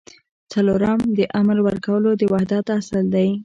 څلورم د امر ورکولو د وحدت اصل دی.